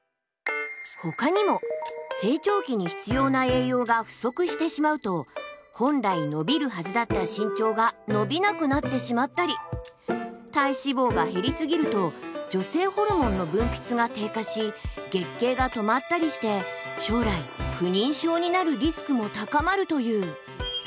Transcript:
他にも成長期に必要な栄養が不足してしまうと本来伸びるはずだった身長が伸びなくなってしまったり体脂肪が減りすぎると女性ホルモンの分泌が低下し月経が止まったりして将来不妊症になるリスクも高まるという。